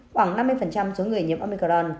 khoảng năm mươi số người nhiễm omicron